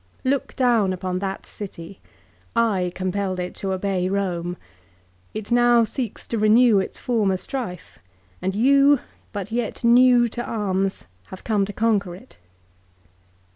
" Look down upon that city. I compelled it to obey Rome. It now seeks to renew its former strife, and you, but yet new to arms, have come to conquer it."